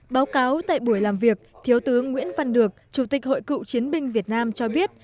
báo cáo tại buổi làm việc thiếu tướng nguyễn văn được chủ tịch hội cựu chiến binh việt nam cho biết